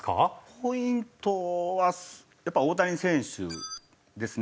ポイントはやっぱり大谷選手ですね。